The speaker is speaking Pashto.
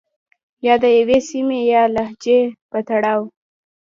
يا د يوې سيمې يا لهجې په تړاو